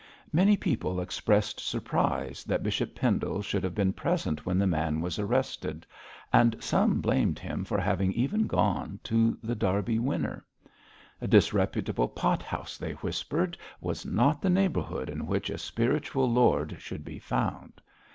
Many people expressed surprise that Bishop Pendle should have been present when the man was arrested, and some blamed him for having even gone to The Derby Winner. A disreputable pot house, they whispered, was not the neighbourhood in which a spiritual lord should be found.